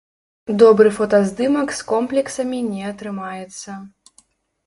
Добры фотаздымак з комплексамі не атрымаецца.